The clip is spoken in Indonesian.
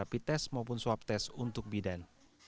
tapi apa yang terjadi kalau tidak ada rapid test untuk bidan